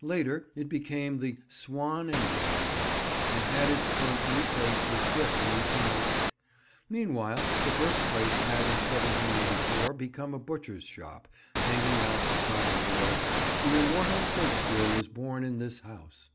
Later it became the "Swan and Maidenhead," and had its front new faced with brick in 1808. Meanwhile, the Birthplace had in 1784 become a butcher's shop, hanging out the sign board "The immortal Shakespeare was born in this house."